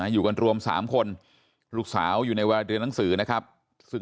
อยู่กันรวม๓คนลูกสาวอยู่ในวัยเรียนหนังสือนะครับซึ่ง